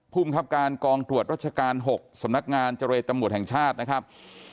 ภูมิครับการกองตรวจรัชการ๖สำนักงานเจรตำรวจแห่งชาตินะครับ